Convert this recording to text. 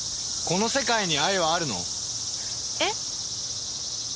この世界に愛はあるの？え？